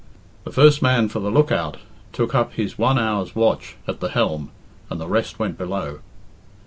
The first man for the look out took up his one hour's watch at the helm, and the rest went below.